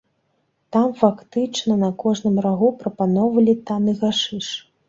Там фактычна на кожным рагу прапаноўвалі танны гашыш.